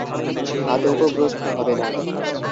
আতঙ্কগ্রস্থ হবে না!